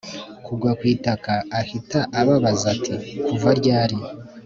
kugwa kwitaka, ahita ababaza ati”kuva ryari